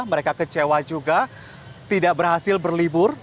mereka kecewa juga tidak berhasil berlibur